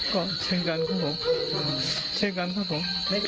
ก็เช่นกันครับผมเช่นกันครับผม